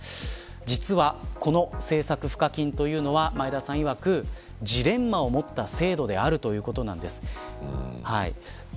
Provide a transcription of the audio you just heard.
実は、この政策賦課金というのは前田さんいわく、ジレンマを持った制度であるということなんです。